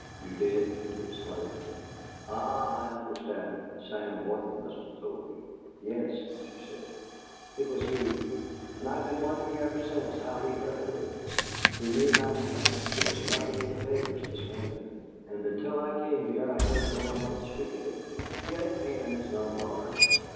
"You did?" he exclaimed. "Ah, I understand. Sam Warden must have told you." "Yes," she said. "It was he; and I have been wondering ever since how he heard of it. He knew last night, but there was nothing in the papers this morning; and until I came here I heard no one else speak of it; yet Canaan is not large."